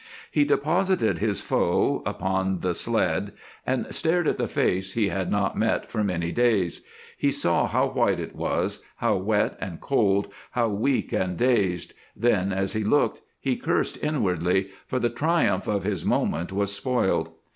He deposited his foe upon the sled and stared at the face he had not met for many days. He saw how white it was, how wet and cold, how weak and dazed, then as he looked he cursed inwardly, for the triumph of his moment was spoiled.